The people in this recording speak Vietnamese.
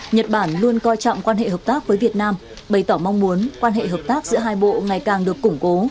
nhật bản luôn coi trọng quan hệ hợp tác với việt nam bày tỏ mong muốn quan hệ hợp tác giữa hai bộ ngày càng được củng cố